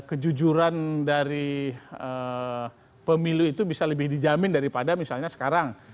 kejujuran dari pemilu itu bisa lebih dijamin daripada misalnya sekarang